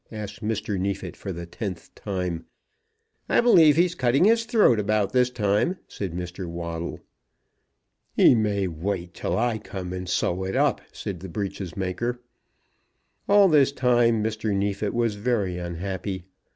asked Mr. Neefit for the tenth time. "I believe he's cutting his throat about this time," said Mr. Waddle. "He may wait till I come and sew it up," said the breeches maker. All this time Mr. Neefit was very unhappy.